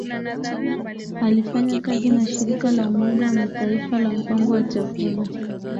Alifanya kazi na shirika la umoja wa mataifa la mpango wa Chakula